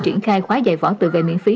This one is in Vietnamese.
triển khai khóa dạy vỏ tự vệ miễn phí